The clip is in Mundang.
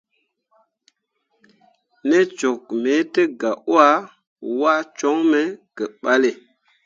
Ne cok me te gah wah, waa coŋ me ke balle.